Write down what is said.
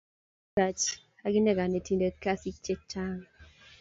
Kigotaacha agane kanetindet kasit chechung